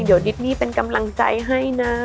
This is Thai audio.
เดี๋ยวดิดนี่เป็นกำลังใจให้นะ